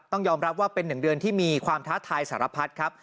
ต้องยอมรับว่าเป็น๑เดือนที่มีความท้าทายสารพัดครับ